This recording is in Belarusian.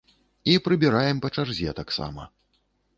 І прыбіраем па чарзе таксама.